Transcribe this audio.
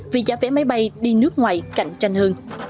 vì giá vé máy bay đi nước ngoài cạnh tranh hơn